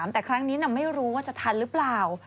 แต่ครั้งนี้ไม่รู้ว่าจะทันหรือเปล่า